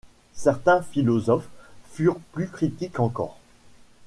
Certains philosophes furent plus critiques encore.